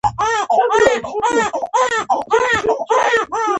قلم د نوي فکرونو زیږنده دی